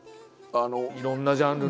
いろんなジャンルの。